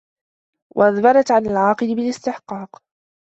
وَأَدْبَرَتْ عَنْ الْعَاقِلِ بِالِاسْتِحْقَاقِ